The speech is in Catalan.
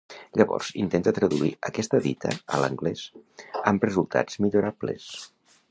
Llavors intenta traduir aquesta dita a l'anglès, amb resultats millorables.